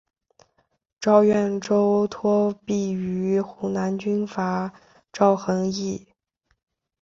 赴岳州托庇于湖南军阀赵恒惕。